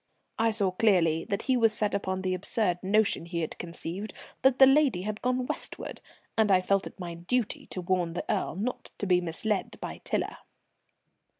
I saw clearly that he was set upon the absurd notion he had conceived that the lady had gone westward, and I felt it my duty to warn the Earl not to be misled by Tiler.